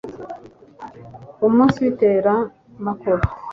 ku munsi w'iteramakofe